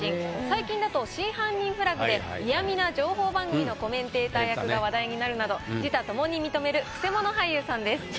最近だと「真犯人フラグ」で嫌みな情報番組のコメンテーター役が話題になるなど自他ともに認めるくせ者俳優さんです。